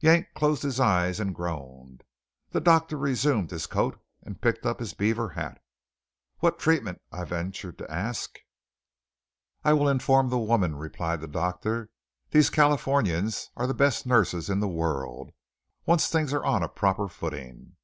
Yank closed his eyes and groaned. The doctor resumed his coat and picked up his beaver hat. "What treatment?" I ventured to ask. "I will inform the woman," replied the doctor. "These Californians are the best nurses in the world, once things are on a proper footing."